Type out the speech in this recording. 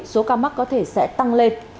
số ca mắc có thể sẽ tăng lên